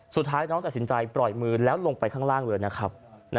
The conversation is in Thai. สุดท้ายน้องตัดสินใจปล่อยมือแล้วลงไปข้างล่างเลยนะครับ